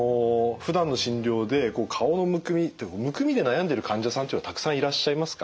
ふだんの診療で顔のむくみってむくみで悩んでいる患者さんっていうのはたくさんいらっしゃいますか？